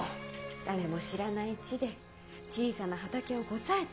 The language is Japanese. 誰も知らない地で小さな畑をこさえて。